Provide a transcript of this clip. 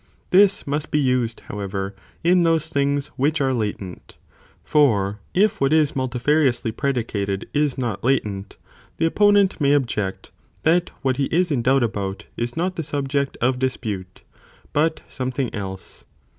θεν τον ta ots This must be used, however, in those things own position. Which are latent,* for if what is multifariously fo Ninent predicated is not latent, the opponent may object, equivocation. that what he is in doubt about, is not the subject of dispute, but something else.